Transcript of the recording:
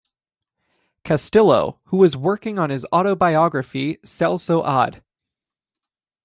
Castillo, who was working on his autobiography Celso Ad.